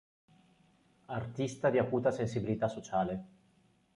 Artista di acuta sensibilità sociale.